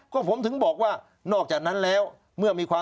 ก็ผมถึงบอกว่านอกจากนั้นแล้ว